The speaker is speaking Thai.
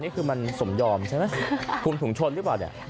นี่คือมันสมยอมใช่ไหมคุมถุงชนหรือเปล่าเนี่ย